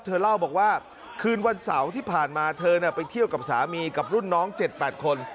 เธอเล่าบอกว่าคืนวันเสาร์ที่ผ่านมาเธอไปเที่ยวกับสามีกับรุ่นน้อง๗๘คน